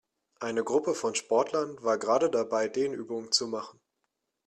Eine Gruppe von Sportlern war gerade dabei, Dehnübungen zu machen.